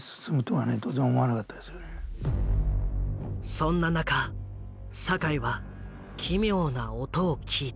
そんな中酒井は奇妙な音を聞いた。